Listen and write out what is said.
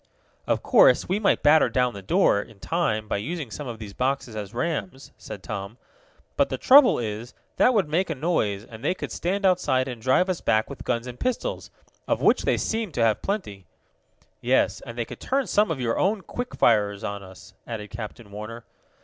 "Of course we might batter down the door, in time, by using some of these boxes as rams," said Tom. "But the trouble is, that would make a noise, and they could stand outside and drive us back with guns and pistols, of which they seem to have plenty." "Yes, and they could turn some of your own quick firers on us," added Captain Warner.